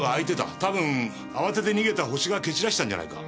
多分慌てて逃げたホシが蹴散らしたんじゃないか？